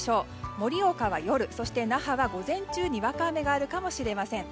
盛岡は夜、那覇は午前中にわか雨があるかもしれません。